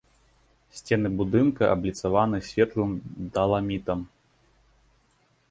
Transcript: Сцены будынка абліцаваны светлым даламітам.